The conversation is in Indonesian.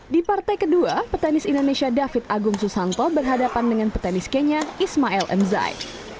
di partai kedua petenis indonesia david agung susanto berhadapan dengan petenis kenya ismail m zai